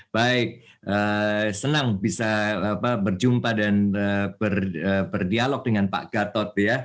baik senang bisa berjumpa dan berdialog dengan pak gatot